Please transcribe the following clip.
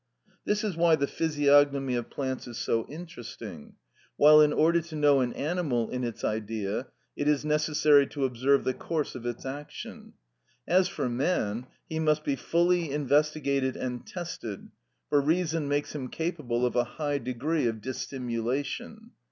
This is why the physiognomy of plants is so interesting; while in order to know an animal in its Idea, it is necessary to observe the course of its action. As for man, he must be fully investigated and tested, for reason makes him capable of a high degree of dissimulation.